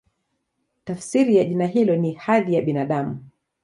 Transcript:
Tafsiri ya jina hilo ni "Hadhi ya Binadamu".